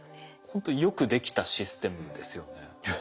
ほんとよくできたシステムですよね。